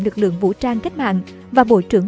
lực lượng vũ trang cách mạng và bộ trưởng